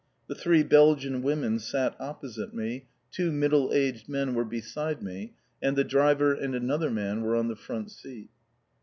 The three Belgian women sat opposite me; two middle aged men were beside me, and the driver and another man were on the front seat.